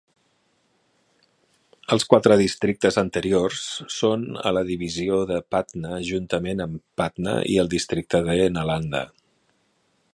Els quatre districtes anteriors són a la divisió de Patna juntament amb Patna i el districte de Nalanda.